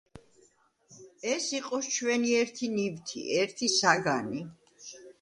ეს იყოს ჩვენი ერთი ნივთი, ერთი საგანი.